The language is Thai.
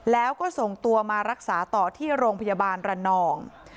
แล้วก็ส่งตัวมารักษาต่อที่โรงพยาบาลระนอง